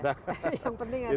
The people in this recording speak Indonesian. yang penting ada itu